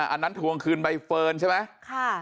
อันนั้นทวงคืนใบเฟิร์นใช่ไหม